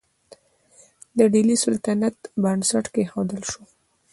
د ډیلي سلطنت بنسټ کیښودل شو.